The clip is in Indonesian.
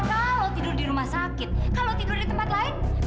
kalau tidur di rumah sakit kalau tidur di tempat lain